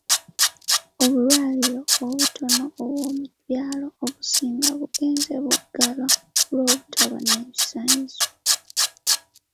Obulwaliro obutono obw'omu byalo obusinga bugenze buggalwa olw'obutaba na bisaanyizo